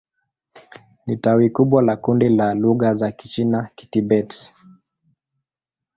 Ni tawi kubwa la kundi la lugha za Kichina-Kitibet.